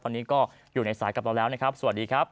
ตอนนี้ก็อยู่ในสายกับเราแล้วนะครับสวัสดีครับ